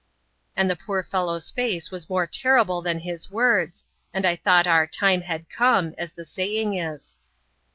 And the poor fellow's face was more terrible than his words, and I thought our "time had come," as the saying is.